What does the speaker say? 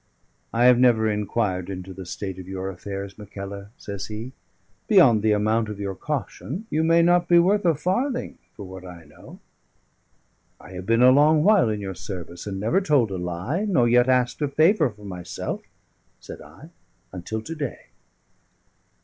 "I have never inquired into the state of your affairs, Mackellar," says he. "Beyond the amount of your caution, you may not be worth a farthing, for what I know." "I have been a long while in your service, and never told a lie, nor yet asked a favour for myself," said I, "until to day."